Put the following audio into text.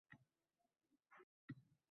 Achchiq ham zarda bilan sholchaga o‘radi.